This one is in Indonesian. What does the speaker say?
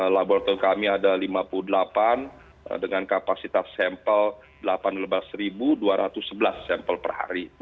laboratorium kami ada lima puluh delapan dengan kapasitas sampel delapan belas dua ratus sebelas sampel per hari